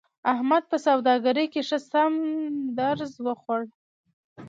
احمد په سوداګرۍ کې ښه سم درز و خوړ.